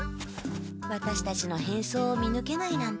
ワタシたちの変装を見ぬけないなんて。